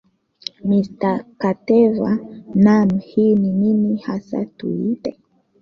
mr kateva naam hii ni nini hasa tuiite